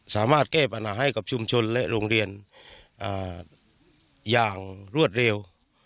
สามารถแก้ปัญหาให้กับชุมชนและโรงเรียนอย่างรวดเร็ว